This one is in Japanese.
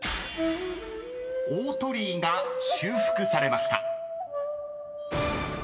［大鳥居が修復されました］